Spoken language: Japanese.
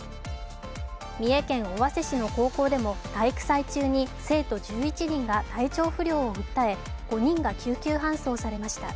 三重県尾鷲市の高校でも体育祭中に生徒５人が熱中症とみられる症状を訴え５人が救急搬送されました。